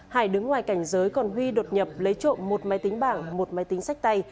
hải đứng ngoài cảnh giới còn huy đột nhập lấy trộm một máy tính bảng một máy tính sách tay